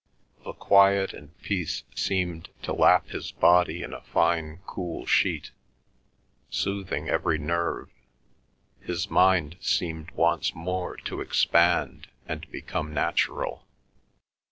The quiet and peace seemed to lap his body in a fine cool sheet, soothing every nerve; his mind seemed once more to expand, and become natural.